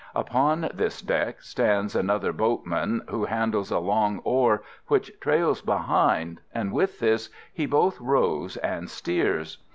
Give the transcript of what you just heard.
Upon this deck stands another boatman, who handles a long oar which trails behind, and with this he both rows and steers.